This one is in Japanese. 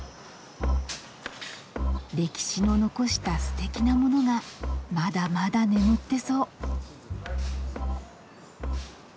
歴史の残したすてきなものがまだまだ眠ってそう。